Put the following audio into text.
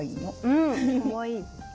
うんかわいい。